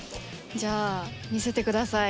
じゃあ見せてください。